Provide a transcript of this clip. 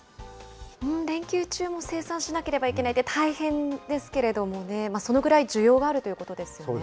連休中も生産しなければいけないって大変ですけれどもね、そのくらい需要があるということですよね。